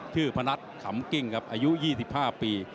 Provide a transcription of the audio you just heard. พนัทขำกิ้งครับอายุ๒๕ปี